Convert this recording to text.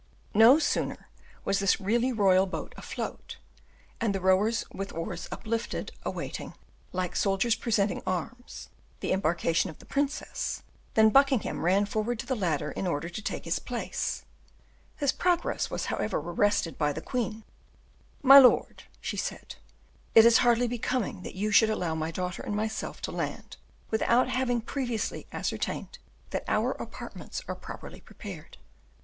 No sooner was this really royal boat afloat, and the rowers with oars uplifted, awaiting, like soldiers presenting arms, the embarkation of the princess, than Buckingham ran forward to the ladder in order to take his place. His progress was, however, arrested by the queen. "My lord," she said, "it is hardly becoming that you should allow my daughter and myself to land without having previously ascertained that our apartments are properly prepared.